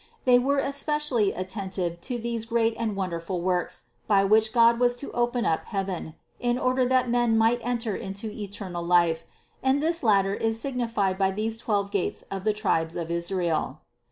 They were especially attentive to these great and wonderful works, by which God was to open up heaven, in order that men might enter into eternal life, and this latter is signified by these twelve gates of the tribes of Israel.